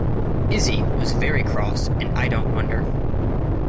Izzie was very cross and I don’t wonder.